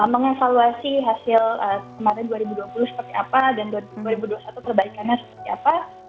mengevaluasi hasil kemarin dua ribu dua puluh seperti apa dan dua ribu dua puluh satu perbaikannya seperti apa